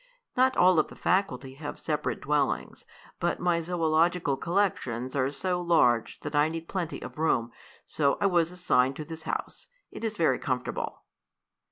"Not all of the faculty have separate dwellings, but my zoological collections are so large that I needed plenty of room, so I was assigned to this house. It is very comfortable."